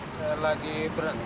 saya lagi berhenti